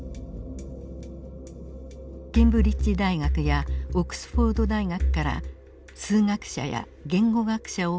ケンブリッジ大学やオックスフォード大学から数学者や言語学者を結集。